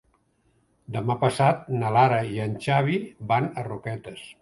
Demà passat na Lara i en Xavi van a Roquetes.